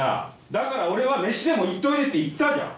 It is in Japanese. だから俺は飯でも行っといでって言ったじゃん！